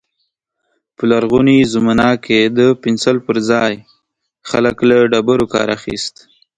په لرغوني زمانه کې د پنسل پر ځای خلک له ډبرو کار اخيست.